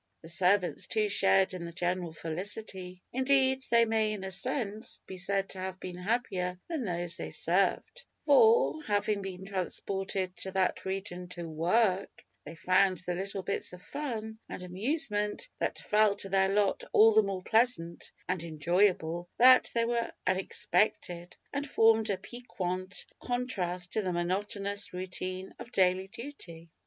The servants too shared in the general felicity. Indeed, they may, in a sense, be said to have been happier than those they served, for, having been transported to that region to work, they found the little bits of fun and amusement that fell to their lot all the more pleasant and enjoyable, that they were unexpected, and formed a piquant contrast to the monotonous routine of daily duty.